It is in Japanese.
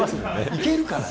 いけるから。